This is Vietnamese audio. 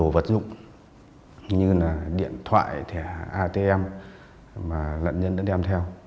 vật dụng như là điện thoại thẻ atm mà nạn nhân đã đem theo